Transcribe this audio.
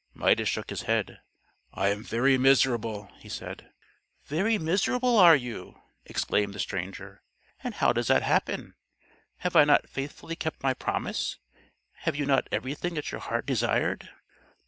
Midas shook his head. "I am very miserable," he said. "Very miserable, are you?" exclaimed the stranger. "And how does that happen: have I not faithfully kept my promise; have you not everything that your heart desired?"